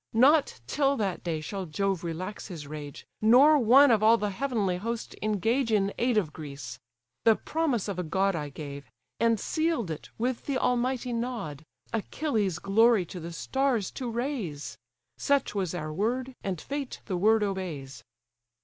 Not till that day shall Jove relax his rage, Nor one of all the heavenly host engage In aid of Greece. The promise of a god I gave, and seal'd it with the almighty nod, Achilles' glory to the stars to raise; Such was our word, and fate the word obeys."